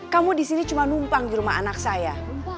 kamu disini cuma numpang di rumah anak saya